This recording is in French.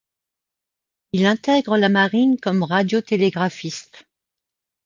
Il intègre la marine comme radiotélégraphiste.